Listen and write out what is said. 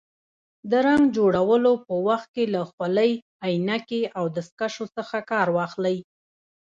د رنګ جوړولو په وخت کې له خولۍ، عینکې او دستکشو څخه کار واخلئ.